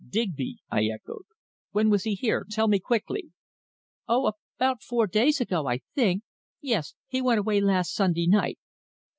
"Digby!" I echoed. "When was he here? Tell me quickly!" "Oh, about four days ago, I think. Yes he went away last Sunday night."